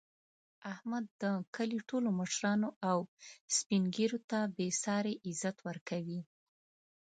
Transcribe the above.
احمد د کلي ټولو مشرانو او سپین ږېرو ته بې ساري عزت ورکوي.